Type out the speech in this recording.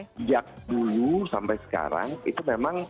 sejak dulu sampai sekarang itu memang